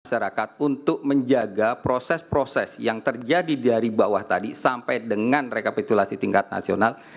masyarakat untuk menjaga proses proses yang terjadi dari bawah tadi sampai dengan rekapitulasi tingkat nasional